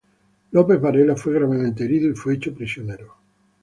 López Varela fue gravemente herido y fue hecho prisionero.